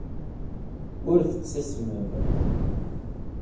Ur tettasmem.